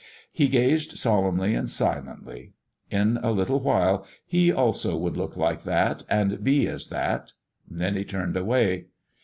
He gazed solemnly and silently. In a little while he also would look like that and be as that then he turned away.